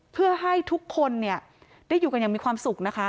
เพื่อให้ทุกคนเนี่ยได้อยู่กันอย่างมีความสุขนะคะ